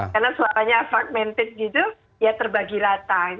karena suaranya fragmented gitu ya terbagi rata